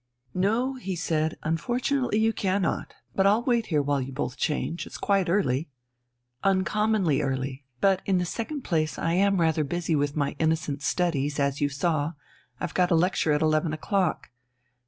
"No," he said, "unfortunately you cannot. But I'll wait here while you both change. It's quite early...." "Uncommonly early. But in the second place I am rather busy with my innocent studies, as you saw. I've got a lecture at eleven o'clock."